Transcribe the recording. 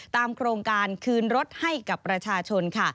ตามโครงการคืนรถให้กับรัชาชน